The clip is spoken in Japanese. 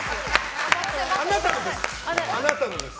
あなたのです。